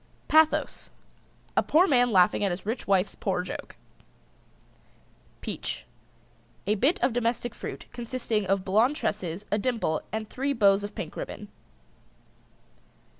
PATHOS. A poor man laughing at his rich wife's poor joke. PEACH. A bit of domestic fruit, consisting of blonde tresses, a dimple, and three bows of pink ribbon.